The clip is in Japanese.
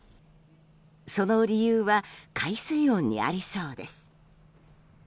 その理由は海水温にありそうです。